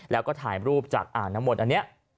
แล้วก็ถ่ายรูปจากอ่านอชน์ทั้งหมดอันนี้